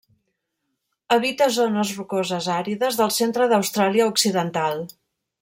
Habita zones rocoses àrides del centre d'Austràlia Occidental.